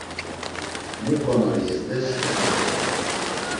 Mu ǩonari yezdes?